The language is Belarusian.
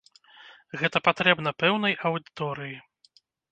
Гэта патрэбна пэўнай аўдыторыі.